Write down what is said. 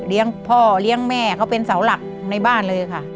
พ่อเลี้ยงแม่เขาเป็นเสาหลักในบ้านเลยค่ะ